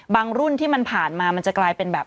รุ่นที่มันผ่านมามันจะกลายเป็นแบบ